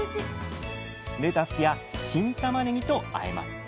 レタスや新たまねぎとあえます。